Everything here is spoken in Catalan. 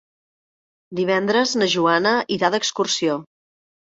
Divendres na Joana irà d'excursió.